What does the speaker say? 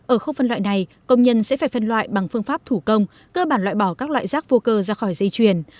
ở khâu phân loại này công nhân sẽ phải phân loại bằng phương pháp thủ công cơ bản loại bỏ các loại rác vô cơ ra khỏi dây chuyền